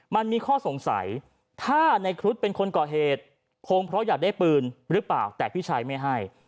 มันมีข้อสงสัยถ้าในครุฑเป็นคนก่อเหตุคงเพราะอยากได้ปืนหรือเปล่าแต่พี่ชายไม่ให้